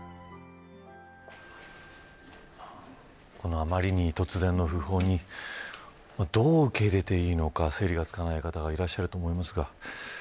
あまりに突然の訃報にどう受け入れていいのか整理がつかない方がいらっしゃると思います。